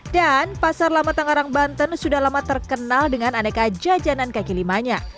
dan pasar lama tenggarang banten sudah lama terkenal dengan aneka jajanan kaki limanya